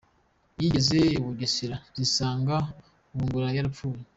Zigeze i Bugesera, zisanga Bungura yarapfuye.